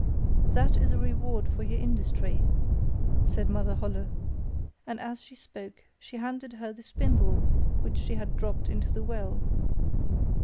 'That is a reward for your industry,' said Mother Holle, and as she spoke she handed her the spindle which she had dropped into the well.